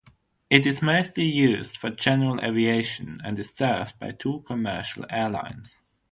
It is mostly used for general aviation and is served by two commercial airlines.